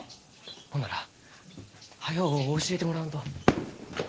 ほんなら早う教えてもらわんと。